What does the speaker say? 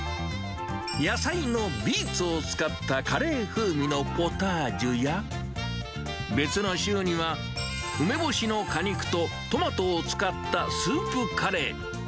野菜のビーツを使ったカレー風味のポタージュや、別の週には、梅干しの果肉とトマトを使ったスープカレー。